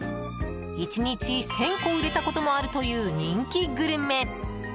１日１０００個売れたこともあるという人気グルメ。